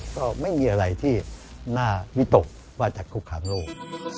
ก็ไม่มีอะไรที่น่าวิตกว่าจะคุกคามโลก